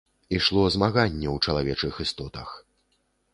Ішло змаганне ў чалавечых істотах.